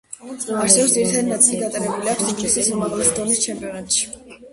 არსებობის ძირითადი ნაწილი გატარებული აქვს ინგლისის უმაღლესი დონის ჩემპიონატში.